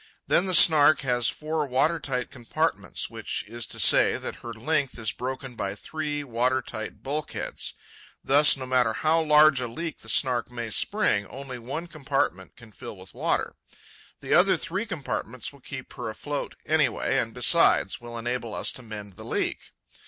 Then the Snark has four water tight compartments, which is to say that her length is broken by three water tight bulkheads. Thus, no matter how large a leak the Snark may spring, Only one compartment can fill with water. The other three compartments will keep her afloat, anyway, and, besides, will enable us to mend the leak.